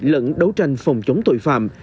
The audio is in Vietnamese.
lẫn đấu tranh phòng chống tội phạm